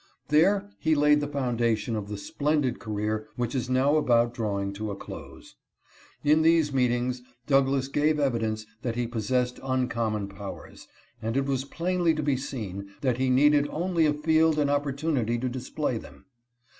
There he laid the foundation of the splen did career which is now about drawing to a close. In these meet ings Douglass gave evidence that he possessed uncommon powers, and it was plainly to be seen that he needed only a field and oppor tunity to display them.